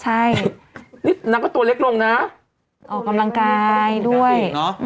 ใช่นี่นางก็ตัวเล็กลงนะออกกำลังกายด้วยเนอะ